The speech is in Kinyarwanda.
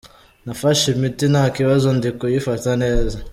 Nafashe imiti nta kibazo ndi kuyifata neza.